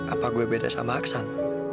apa gue beda sama aksan